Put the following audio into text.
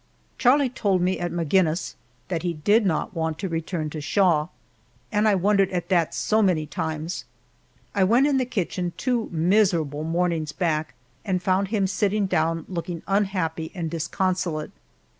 Charlie told me at Maginnis that he did not want to return to Shaw, and I wondered at that so many times. I went in the kitchen two miserable mornings back and found him sitting down looking unhappy and disconsolate.